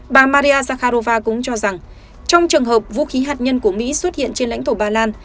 bà maria zakharova cũng cho rằng trong trường hợp vũ khí hạt nhân của mỹ xuất hiện trên lãnh thổ ba lan